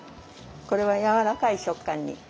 これはやわらかい食感に。